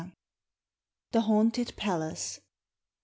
THE HAUNTED PALACE.